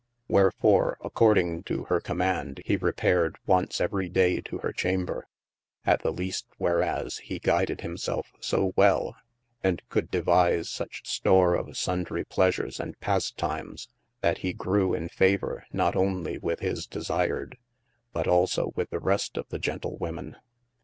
Wherfore according to hir comaund he repayred once every day to hir chamber, at the least whereas hee guided himselfe so wel, and could devise such store of sundry pleasures and pastymes, that he grew in favour not onely with his desired, but also with the rest of the gentle women.